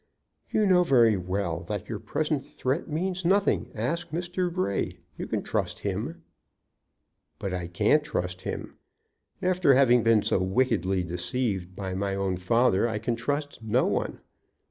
"You know very well that your present threat means nothing. Ask Mr. Grey. You can trust him." "But I can't trust him. After having been so wickedly deceived by my own father, I can trust no one.